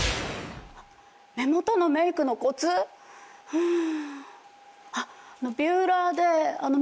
うん。